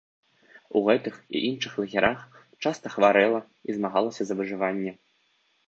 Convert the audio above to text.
У гэтых і іншых лагерах часта хварэла і змагалася за выжыванне.